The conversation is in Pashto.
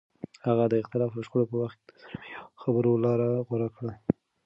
هغه د اختلاف او شخړو په وخت د نرمۍ او خبرو لار غوره کړه.